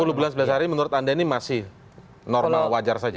sepuluh bulan sebelas hari menurut anda ini masih normal wajar saja